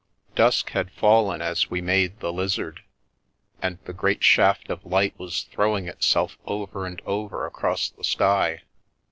Dusk had fallen as we made the Lizard, and the great shaft of light was throwing itself over and over across the sky.